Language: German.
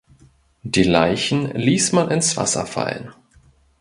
Die Leichen ließ man ins Wasser fallen.